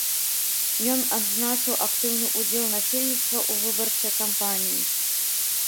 Ён адзначыў актыўны ўдзел насельніцтва ў выбарчай кампаніі.